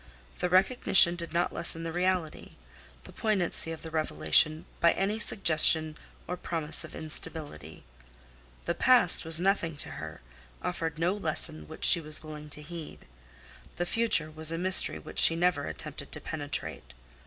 The recognition did not lessen the reality, the poignancy of the revelation by any suggestion or promise of instability. The past was nothing to her; offered no lesson which she was willing to heed. The future was a mystery which she never attempted to penetrate.